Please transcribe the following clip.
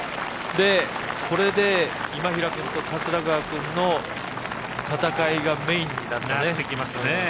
これで今平君と桂川君の戦いがメインになったね。